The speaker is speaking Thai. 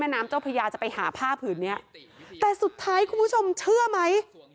น้ำเจ้าพญาจะไปหาผ้าผืนเนี้ยแต่สุดท้ายคุณผู้ชมเชื่อไหม